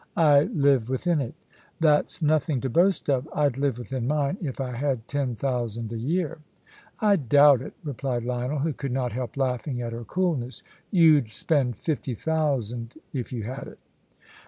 "I live within it." "That's nothing to boast of. I'd live within mine, if I had ten thousand a year." "I doubt it," replied Lionel, who could not help laughing at her coolness; "you'd spend fifty thousand if you had it."